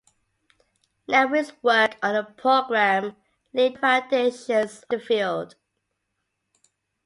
Newell's work on the program laid the foundations of the field.